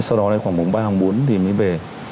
sau đó khoảng ba bốn thì mới về